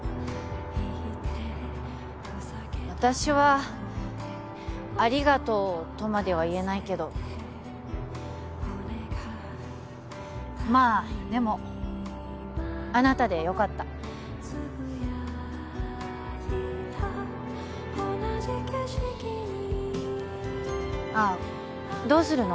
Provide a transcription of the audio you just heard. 私はありがとうとまでは言えないけどまあでもあなたでよかったああどうするの？